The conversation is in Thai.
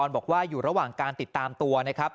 บอกว่าอยู่ระหว่างการติดตามตัวนะครับ